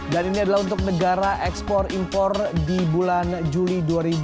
dan ini adalah untuk negara ekspor impor di bulan juli dua ribu delapan belas